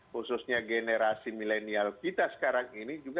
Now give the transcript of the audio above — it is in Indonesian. khususnya generasi milenial kita sekarang ini